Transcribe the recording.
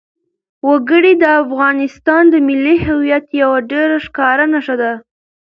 وګړي د افغانستان د ملي هویت یوه ډېره ښکاره نښه ده.